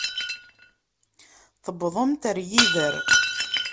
Tewwḍemt ɣer yider.